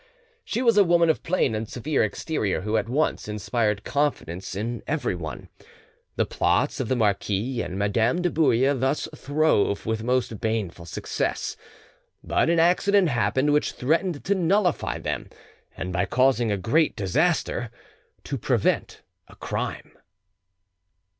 She was a woman of plain and severe exterior, who at once inspired confidence in everyone. The plots of the marquis and Madame de Bouille thus throve with most baneful success; but an accident happened which threatened to nullify them, and, by causing a great disaster, to prevent a crime.